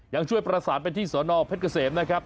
ยังช่วยประสานไปที่สนเพชรเกษมนะครับ